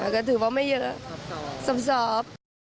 ก็ถือว่าไม่เยอะซอบ